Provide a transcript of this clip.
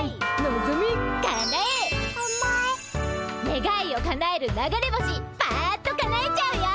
ねがいをかなえる流れ星っパッとかなえちゃうよ。